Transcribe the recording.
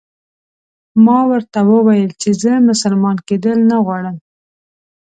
ما ورته وویل چې زه مسلمان کېدل نه غواړم.